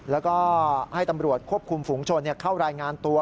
แล้วก็ให้ตำรวจควบคุมฝุงชนเข้ารายงานตัว